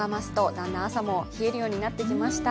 だんだん朝も冷えるようになってきました。